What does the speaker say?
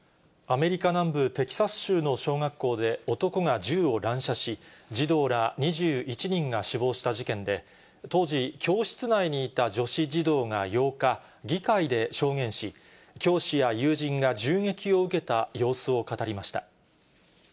アメリカ南部テキサス州の小学校で、男が銃を乱射し、児童ら２１人が死亡した事件で、当時教室内にいた女子児童が８日、議会で証言し、教師や友人が銃撃を受けた様子を語りました。